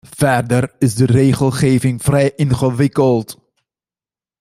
Verder is de regelgeving vrij ingewikkeld.